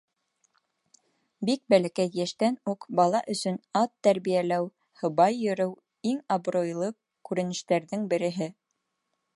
Бик бәләкәй йәштән үк бала өсөн ат тәрбиәләү, һыбай йөрөү иң абруйлы күренештәрҙең береһе.